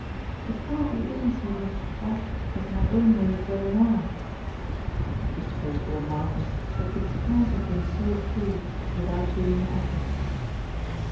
"It probably isn't so much that as my own way of going on." She spoke with a mildness that could scarce have been so full without being an effort.